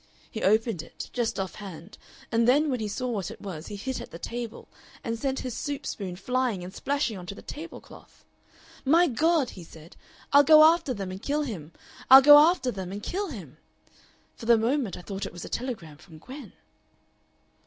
He opened it just off hand, and then when he saw what it was he hit at the table and sent his soup spoon flying and splashing on to the tablecloth. 'My God!' he said, 'I'll go after them and kill him. I'll go after them and kill him.' For the moment I thought it was a telegram from Gwen."